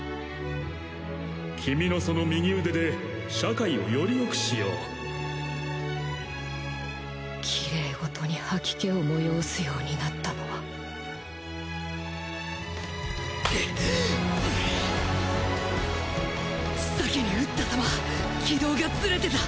君のその右腕で社会をより良くしよう綺麗事に吐き気を催すようになったのは治崎に撃った弾軌道がズレてた。